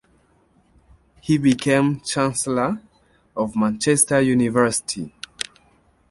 He became Chancellor of Manchester University.